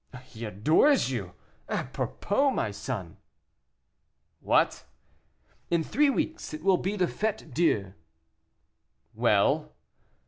"He adores you. Apropos, my son " "What?" "In three weeks it will be the Fête Dieu." "Well!"